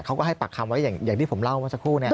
เขาก็ให้ปากคำไว้อย่างที่ผมเล่าเมื่อสักครู่เนี่ย